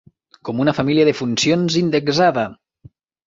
com una família de funcions indexada.